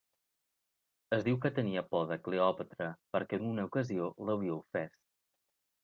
Es diu que tenia por de Cleòpatra perquè en una ocasió l'havia ofès.